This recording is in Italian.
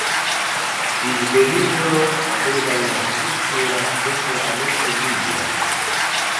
Il velivolo aveva una struttura completamente lignea.